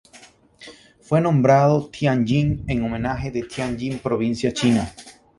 Fue nombrado Tianjin en homenaje a Tianjin provincia china.